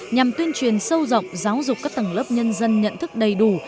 nhằm tuyên truyền sâu rộng giáo dục các tầng lớp nhân dân nhận thức đầy đủ